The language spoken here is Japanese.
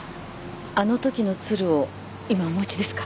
あのときの鶴を今お持ちですか？